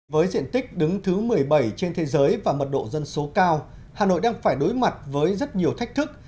với diện tích đứng thứ một mươi bảy trên thế giới và mật độ dân số cao hà nội đang phải đối mặt với rất nhiều thách thức